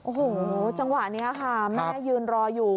โอ้โหจังหวะนี้ค่ะแม่ยืนรออยู่